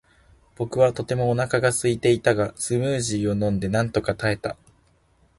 僕はとてもお腹がすいていたが、スムージーを飲んでなんとか耐えた。